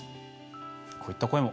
こういった声も。